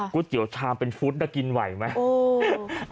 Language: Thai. เตี๋ยวชามเป็นฟุตกินไหวไหม